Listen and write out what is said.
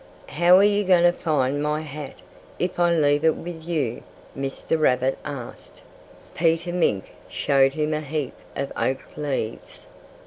"How are you going to find my hat, if I leave it with you?" Mr. Rabbit asked. Peter Mink showed him a heap of oak leaves.